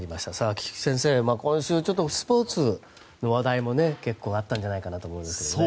菊地先生、今週はちょっとスポーツの話題も結構あったんじゃないかなと思うんですけどね。